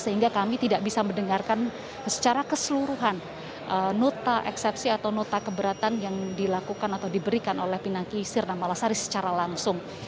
sehingga kami tidak bisa mendengarkan secara keseluruhan nota eksepsi atau nota keberatan yang dilakukan atau diberikan oleh pinangki sirna malasari secara langsung